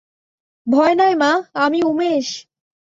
ভয় নাই মা, আমি উমেশ।